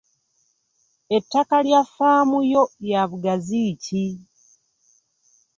Ettaka lya faamu yo ya bugazi ki?